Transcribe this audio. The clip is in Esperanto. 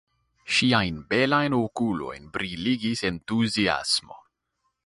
Ŝiajn belajn okulojn briligis entuziasmo.